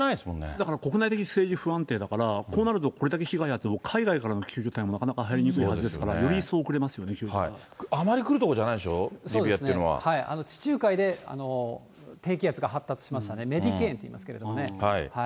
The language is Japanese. だから国内的に政治不安定だから、こうなるとこれだけ被害があっても、海外からの救助隊もなかなか入りにくいはずですから、より一層遅あまり来るとこじゃないでしそうですね、地中海で低気圧が発達しましたね、メディケーンと言いますけどもね。